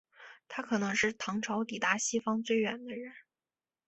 他可能是唐朝抵达西方最远的人。